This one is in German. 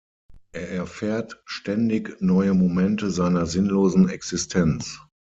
Er erfährt ständig neue Momente seiner sinnlosen Existenz.